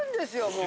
もう。